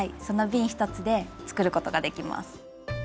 そのびん１つで作ることができます。